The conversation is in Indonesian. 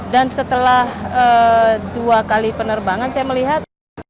dan setelah dua kali penerbangan saya melihat